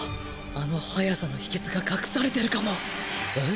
あの速さの秘けつが隠されてるかも。